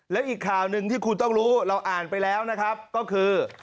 และอีกข่าวหนึ่งที่คุณต้องรู้เราอ่านไปแล้วนะครับก็คือ